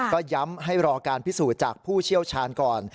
ก็ย้ำให้รอการพิสูจน์จากผู้เชี่ยวชาญก่อน